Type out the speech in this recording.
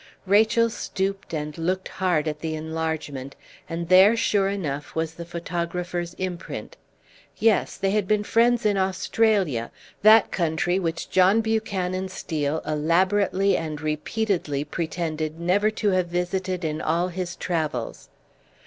Rachel stooped and looked hard at the enlargement, and there sure enough was the photographer's imprint. Yes, they had been friends in Australia, that country which John Buchanan Steel elaborately and repeatedly pretended never to have visited in all his travels!